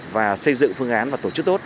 và xây dựng phương án và tổ chức tốt